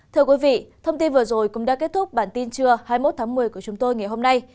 thưa quý vị thông tin vừa rồi cũng đã kết thúc bản tin trưa hai mươi một tháng một mươi của chúng tôi ngày hôm nay